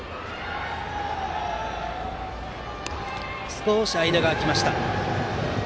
少し間が空きました。